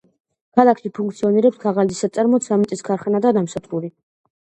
ქალაქში ფუნქციონირებს ქაღალდის საწარმო, ცემენტის ქარხანა და ნავსადგური.